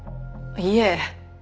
いえ。